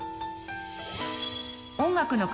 音楽の国